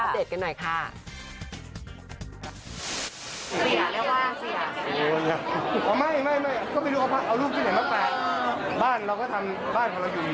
พี่แอนอัพเดทกันหน่อยค่ะ